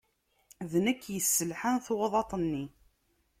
D nekk yesselḥan tuɣḍaṭ-nni.